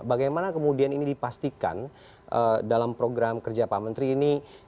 bagaimana kemudian ini dipastikan dalam program kerja pak menteri ini